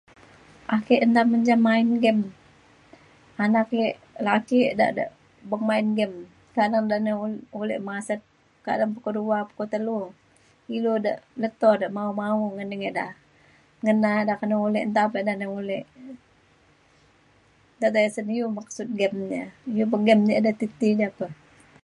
Ake nta menjam main game ban ake laki da da beng main game. Meka na nai ulek masat kak pukul dua pukul telu ilu de leto de mao mao ngening ida ngena ida ke nai ulek nta pa da ida ulek. Nta tisen iu maksud game na. Ia’ menggin ida ti ti ja pe.